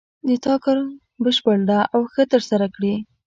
د تا کار بشپړ ده او ښه د ترسره کړې